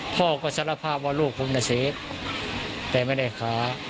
พ่อก็สารภาพว่าลูกผมน่ะเสพแต่ไม่ได้ขา